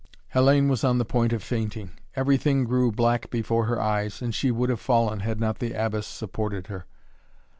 Hellayne was on the point of fainting. Everything grew black before her eyes, and she would have fallen, had not the Abbess supported her.